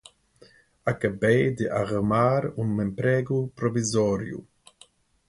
Acabei de arrumar um emprego provisório.